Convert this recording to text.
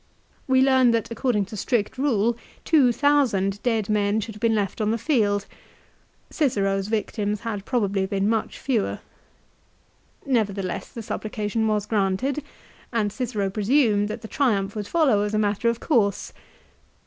We learn that according to strict rule two thousand dead men should have been left on the field. Cicero's victims had probably been much fewer. Never theless the supplication was granted, and Cicero presumed that the Triumph would follow as a matter of course.